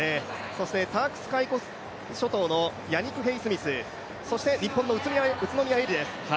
そしてタークス・カイコス諸島のヤニク・ヘイスミス、そして日本の宇都宮絵莉です。